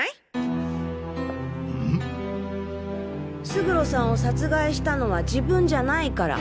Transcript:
勝呂さんを殺害したのは自分じゃないから。